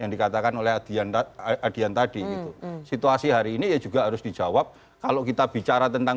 yang dikatakan oleh adian adian tadi itu situasi hari ini juga harus dijawab kalau kita bicara tentang